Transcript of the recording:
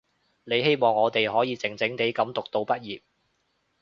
你希望我哋可以靜靜地噉讀到畢業